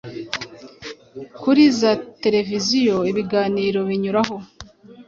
kuri za televiziyo ibiganiro binyuraho